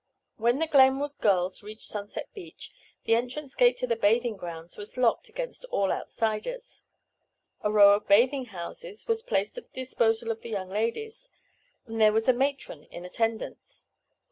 When the Glenwood girls reached Sunset Beach the entrance gate to the bathing grounds was locked against all outsiders. A row of bathing houses was placed at the disposal of the young ladies, and there was a matron in attendance.